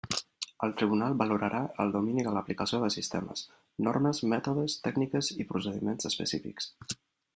El tribunal valorarà el domini de l'aplicació de sistemes, normes, mètodes, tècniques i procediments específics.